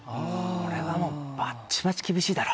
これはもう。